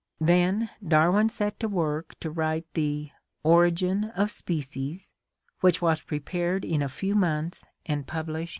Then Darwin set to work to write the Origin of Species , which was prepared in a few months and pub lished in 1859.